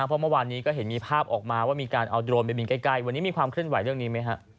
เพราะเมื่อวานนี้ก็เห็นมีภาพออกมาว่ามีการเอาโดรนไปบินใกล้วันนี้มีความเคลื่อนไหวเรื่องนี้ไหมฮะ